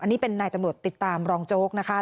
อันนี้เป็นนายตำรวจติดตามรองโจ๊กนะคะ